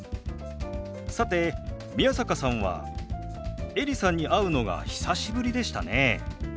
さて宮坂さんはエリさんに会うのが久しぶりでしたね。